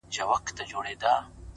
سیاه پوسي ده. ورځ نه ده شپه ده.